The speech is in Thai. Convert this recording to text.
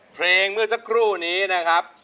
เมื่อสักครู่นี้นะครับ